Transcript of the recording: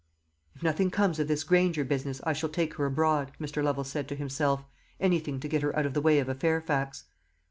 "If nothing comes of this Granger business I shall take her abroad," Mr. Lovel said to himself; "anything to get her out of the way of a Fairfax."